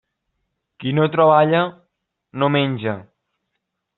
Qui no treballa, no menja.